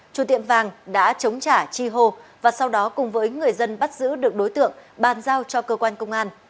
chủ tiệm vàng đã chống trả chi hô và sau đó cùng với người dân bắt giữ được đối tượng bàn giao cho cơ quan công an